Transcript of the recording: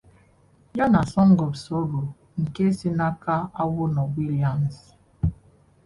ya na "Song of Sorrow" nke si n'aka Awoonor-Williams.